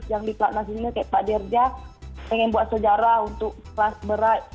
yang di platnas ini kayak pak dirja pengen buat sejarah untuk kelas berat